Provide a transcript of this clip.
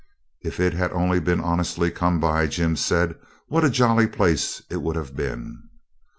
'If it had only been honestly come by,' Jim said, 'what a jolly place it would have been!'